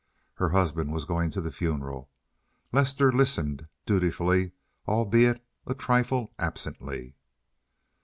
Her husband was going to the funeral. Lester listened dutifully, albeit a trifle absently.